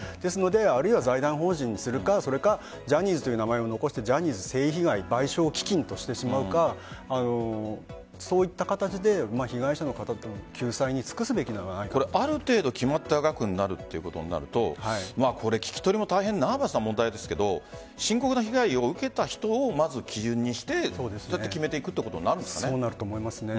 あるいは財団法人にするかジャニーズという名前を残してジャニーズ性被害賠償基金としてしまうかそういった形で被害者の方の救済にある程度決まった額になるということになると聞き取りも大変、ナーバスな問題ですが深刻な被害を受けた人をまず基準にして決めていくということになるんですかね。